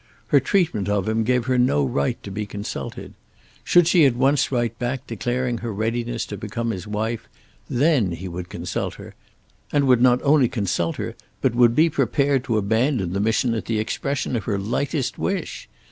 Her treatment of him gave her no right to be consulted. Should she at once write back declaring her readiness to become his wife, then he would consult her, and would not only consult her but would be prepared to abandon the mission at the expression of her lightest wish.